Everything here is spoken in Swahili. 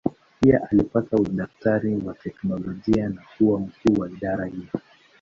Pia alipata udaktari wa teolojia na kuwa mkuu wa idara hiyo.